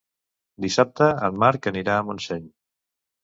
Dissabte en Marc anirà a Montseny.